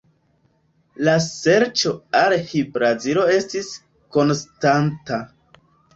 La serĉo al Hi-Brazilo estis konstanta.